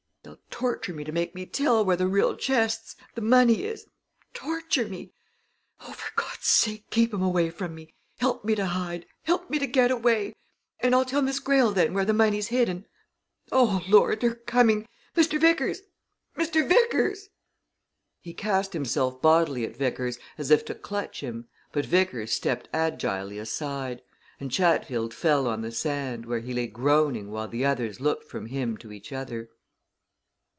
They'll torture me to make me tell where the real chests, the money is torture me! Oh, for God's sake, keep 'em away from me help me to hide help me to get away and I'll tell Miss Greyle then where the money's hid, and oh, Lord, they're coming! Mr. Vickers Mr. Vickers " He cast himself bodily at Vickers, as if to clutch him, but Vickers stepped agilely aside, and Chatfield fell on the sand, where he lay groaning while the others looked from him to each other.